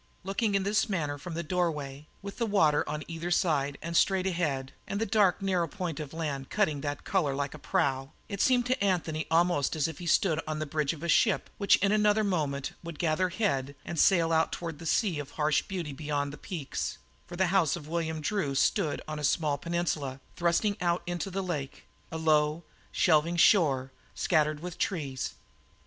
Looking in this manner from the doorway, with the water on either side and straight ahead, and the dark, narrow point of land cutting that colour like a prow, it seemed to Anthony almost as if he stood on the bridge of a ship which in another moment would gather head and sail out toward the sea of fresh beauty beyond the peaks, for the old house of William Drew stood on a small peninsula, thrusting out into the lake, a low, shelving shore, scattered with trees.